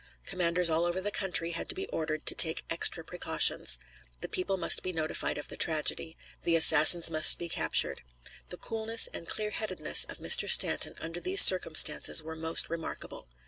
Commanders all over the country had to be ordered to take extra precautions. The people must be notified of the tragedy. The assassins must be captured. The coolness and clearheadedness of Mr. Stanton under these circumstances were most remarkable.